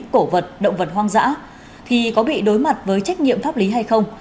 các bộ vật động vật hoang dã thì có bị đối mặt với trách nhiệm pháp lý hay không